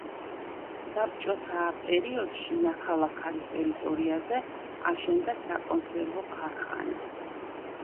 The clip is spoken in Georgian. საბჭოთა პერიოდში „ნაქალაქარის“ ტერიტორიაზე აშენდა საკონსერვო ქარხანა.